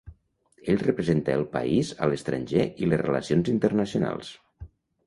Ell representa el país a l'estranger i les relacions internacionals.